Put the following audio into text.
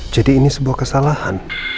jadi ini sebuah kesalahan